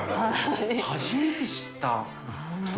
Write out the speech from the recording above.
初めて知った。